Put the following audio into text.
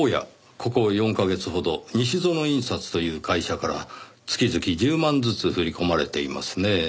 ここ４カ月ほどニシゾノ印刷という会社から月々１０万ずつ振り込まれていますねぇ。